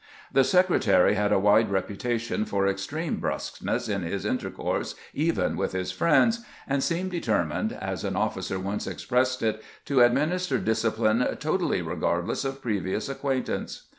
The Secretary had a wide reputation for extreme brusqueness in his intercourse even with his friends, and seemed determined, as an oflBcer once expressed it, to administer discipline totally regardless of previous acquaintance.